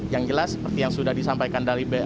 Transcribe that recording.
yang jelas seperti yang sudah disampaikan dari